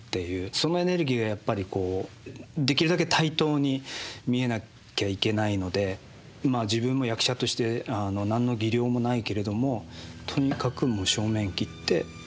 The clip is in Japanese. そのエネルギーをやっぱりできるだけ対等に見えなきゃいけないので自分も役者として何の技量もないけれどもとにかく正面切ってぶつかっていくしかない。